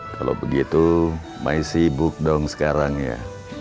kalau begitu main sibuk dong sekarang ya